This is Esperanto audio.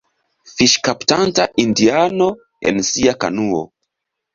Fiŝkaptanta indiano en sia kanuo.